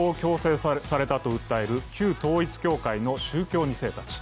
親の信仰を強制されたと訴える旧統一教会の宗教２世たち。